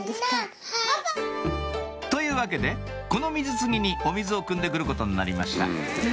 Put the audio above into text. というわけでこの水つぎにお水をくんで来ることになりました